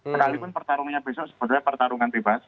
sekalipun pertarungannya besok sebetulnya pertarungan bebas